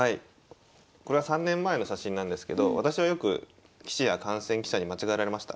これは３年前の写真なんですけど私はよく棋士や観戦記者に間違えられました。